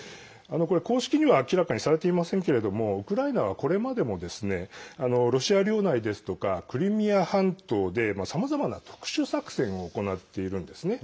公式には明らかにされていませんけれどもウクライナは、これまでもロシア領内ですとかクリミア半島でさまざまな特殊作戦を行っているんですね。